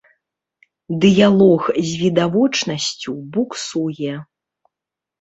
Дыялог з відавочнасцю буксуе.